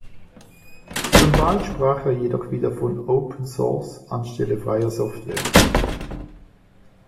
Schon bald sprach er jedoch wieder von Open Source anstelle freier Software.